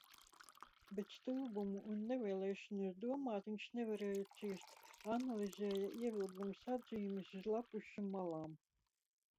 Bet stulbumu un nevēlēšanos domāt viņš nevarēja ciest. Analizēja, ievilkdams atzīmes uz lappušu malām.